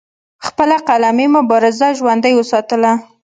خپله قلمي مبارزه ژوندۍ اوساتله